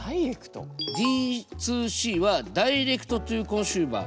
Ｄ２Ｃはダイレクトトゥーコンシューマー。